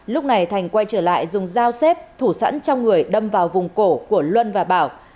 lúc này thành quay trở lại dùng dao xếp thủ sẵn trong người đâm vào vùng cổ của luân và bảo